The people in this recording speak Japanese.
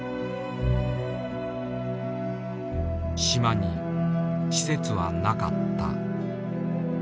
島に施設はなかった。